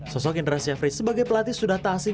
sosok indra syafri sebagai pelatih sudah tak asing